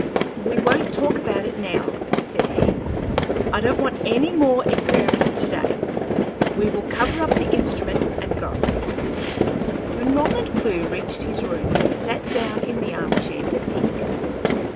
"We won't talk about it now," said he. "I don't want any more experiments to day. We will cover up the instrument and go." When Roland Clewe reached his room, he sat down in the arm chair to think.